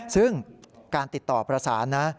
ซึ่งการติดต่อประสานนะ